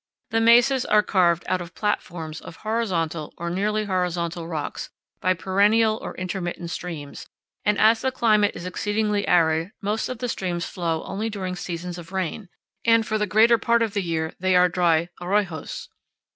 The mesas are carved out of platforms of horizontal or nearly horizontal rocks by perennial or intermittent streams, and as the climate is exceedingly arid most of the streams flow only during seasons of rain, and for the greater part of the year they are dry arroyos.